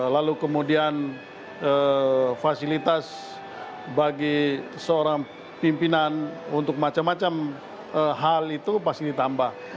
lalu kemudian fasilitas bagi seorang pimpinan untuk macam macam hal itu pasti ditambah